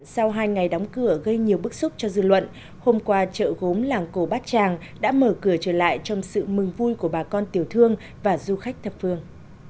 sau hai ngày đóng cửa gây nhiều bức xúc cho dư luận hôm qua chợ gốm làng cổ bát tràng đã mở cửa trở lại trong sự mừng vui của bà con tiểu thương và du khách thập phương